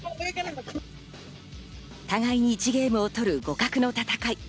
互いに１ゲームを取る互角の戦い。